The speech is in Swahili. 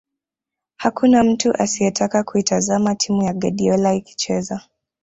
Hakuna mtu asiyetaka kuitazama timu ya Guardiola ikicheza